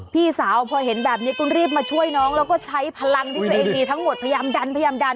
พี่สาวพอเห็นแบบนี้ก็รีบมาช่วยน้องแล้วก็ใช้พลังที่ตัวเองมีทั้งหมดพยายามดันพยายามดัน